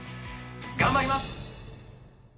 頑張ります。